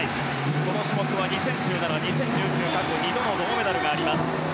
この種目は２０１７、２０１９と２度の銅メダルがあります。